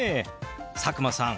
佐久間さん